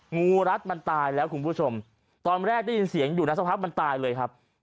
งูรัดมันตายแล้วคุณผู้ชมตอนแรกได้ยินเสียงอยู่นะสักพักมันตายเลยครับ